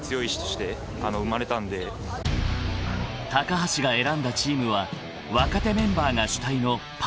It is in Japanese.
［橋が選んだチームは若手メンバーが主体のパドバ］